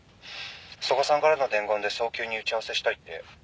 曽我さんからの伝言で早急に打ち合わせしたいって」